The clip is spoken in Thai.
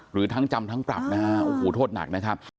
หรือทั้งจำทั้งปรับนะฮะโอ้โหโทษหนักนะครับ